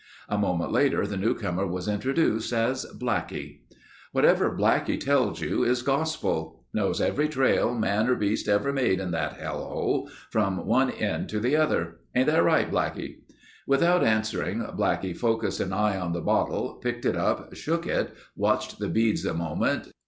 A moment later the newcomer was introduced as "Blackie." "Whatever Blackie tells you is gospel. Knows every trail man or beast ever made in that hell hole, from one end to the other. Ain't that right, Blackie?" Without answering, Blackie focused an eye on the bottle, picked it up, shook it, watched the beads a moment.